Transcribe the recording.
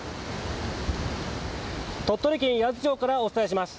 鳥取県八頭町からお伝えします。